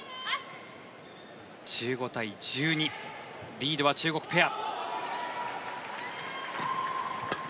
１５対１２リードは中国ペア。